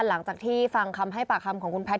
หลังจากที่ฟังคำให้ปากคำของคุณแพทย